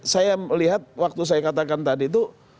saya melihat waktu saya katakan tadi itu